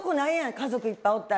家族いっぱいおったら。